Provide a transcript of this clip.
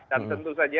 dan tentu saja